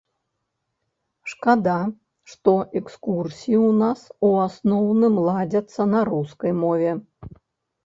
Шкада, што экскурсіі ў нас у асноўным ладзяцца на рускай мове.